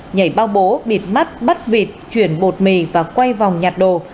nhảy bao bố bịt mắt bắt vịt chuyển bột mì và quay vòng nhạt đồ